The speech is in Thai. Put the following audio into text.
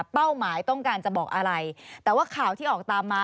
หมายต้องการจะบอกอะไรแต่ว่าข่าวที่ออกตามมา